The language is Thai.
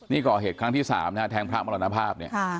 นี่ก่อเหตุครั้งที่๓นะฮะแทงพระมรณภาพเนี่ย